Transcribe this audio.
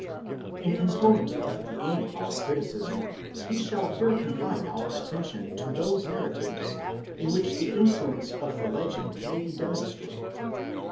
In conformity with the aim of our criticism, we shall here confine our attention to those narratives, in which the influence of the legend may be demonstrated.